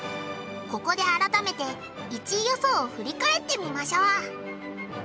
ここで改めて１位予想を振り返ってみましょう。